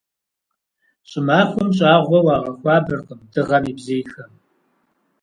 ЩӀымахуэм щӀагъуэ уагъэхуабэркъым дыгъэм и бзийхэм.